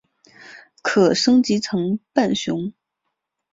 可升级成奔熊。